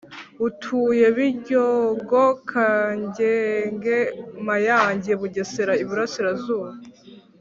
utuye Biryogo Kagenge Mayange Bugesera Iburasirazuba